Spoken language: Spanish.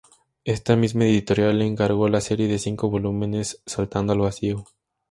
Esta misma editorial le encargó la serie de cinco volúmenes "Saltando al vacío".